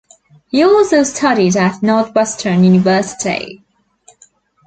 He also studied at Northwestern University.